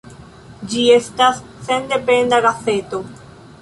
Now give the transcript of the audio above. Ĝi estas sendependa gazeto.